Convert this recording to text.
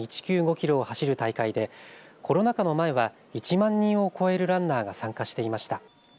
キロを走る大会でコロナ禍の前は１万人を超えるランナーが参加していました。